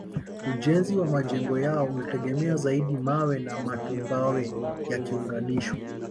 Ujenzi wa majengo yao ulitegemea zaidi mawe na matumbawe yakiunganishwa